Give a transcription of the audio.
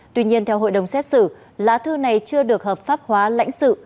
tuy nhiên theo hội đồng xét xử lá thư này chưa được hợp pháp hóa lãnh sự